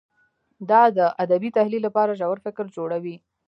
دا د ادبي تحلیل لپاره ژور فکر جوړوي.